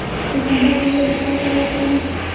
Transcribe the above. د کندر ژوول د څه لپاره وکاروم؟